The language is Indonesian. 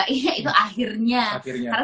iya itu akhirnya karena